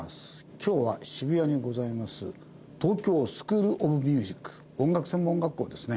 今日は渋谷にございます東京スクールオブミュージック音楽専門学校ですね。